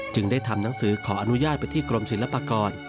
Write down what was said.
จึงได้ทำหนังสือขออนุญาตไปที่กรมศิลปากร